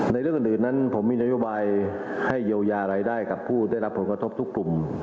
เรื่องอื่นนั้นผมมีนโยบายให้เยียวยารายได้กับผู้ได้รับผลกระทบทุกกลุ่ม